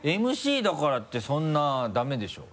ＭＣだからってそんなダメでしょ。